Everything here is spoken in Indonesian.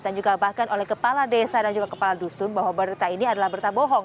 dan juga bahkan oleh kepala desa dan juga kepala dusun bahwa berita ini adalah berita bohong